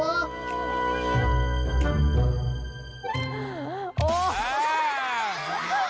โอ้แอ้ยยย